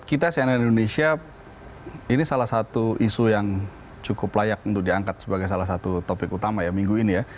kita cnn indonesia ini salah satu isu yang cukup layak untuk diangkat sebagai salah satu topik utama ya minggu ini ya